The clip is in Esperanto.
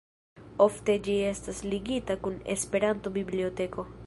Ofte ĝi estas ligita kun Esperanto-biblioteko.